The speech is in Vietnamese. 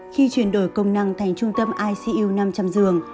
khi chuyển đổi công năng thành trung tâm icu năm trăm linh giường